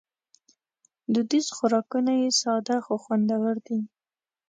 دودیز خوراکونه یې ساده خو خوندور دي.